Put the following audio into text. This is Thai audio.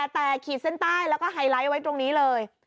แต่ขีดเส้นใต้แล้วก็ไฮไลท์ไว้ตรงนี้เลย